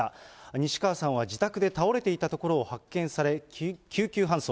西川さんは自宅で倒れていたところを発見され、救急搬送。